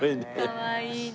かわいいな。